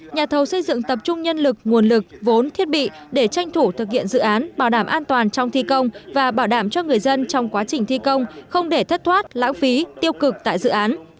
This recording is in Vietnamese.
nhà thầu xây dựng tập trung nhân lực nguồn lực vốn thiết bị để tranh thủ thực hiện dự án bảo đảm an toàn trong thi công và bảo đảm cho người dân trong quá trình thi công không để thất thoát lãng phí tiêu cực tại dự án